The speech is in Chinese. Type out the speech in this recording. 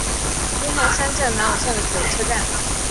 津田山站南武线的铁路车站。